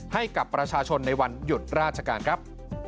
ให้กับประชาชนในวันหยุดราชการครับ